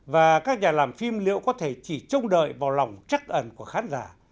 và các nhà làm phim liệu có thể chỉ trông đợi vào lòng chắc ẩn của khán giả